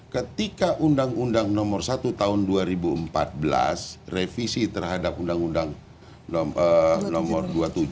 ketika undang undang nomor satu tahun dua ribu empat belas revisi terhadap undang undang nomor dua puluh tujuh